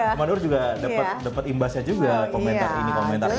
teman teman juga dapat imbasnya juga komentar ini komentar itu